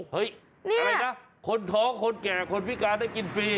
อะไรนะคนท้องคนแก่คนพิการได้กินฟรี